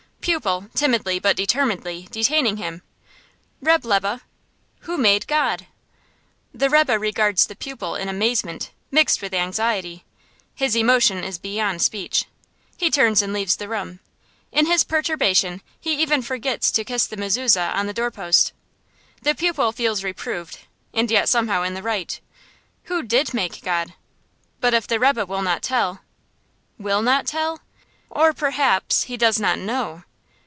Pupil, timidly, but determinedly, detaining him: "Reb' Lebe, who made God?" The rebbe regards the pupil in amazement mixed with anxiety. His emotion is beyond speech. He turns and leaves the room. In his perturbation he even forgets to kiss the mezuzah on the doorpost. The pupil feels reproved and yet somehow in the right. Who did make God? But if the rebbe will not tell will not tell? Or, perhaps, he does not know?